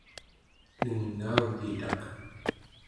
nengaugitaq